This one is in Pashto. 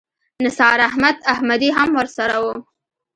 نثار احمد احمدي هم ورسره و.